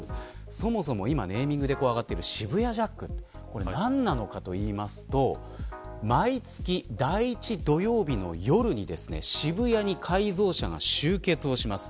そもそも今ネーミングであがっている渋谷ジャックこれが何なのかといいますと毎月、第一土曜日の夜に渋谷に改造車が集結します。